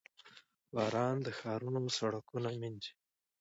• باران د ښارونو سړکونه مینځي.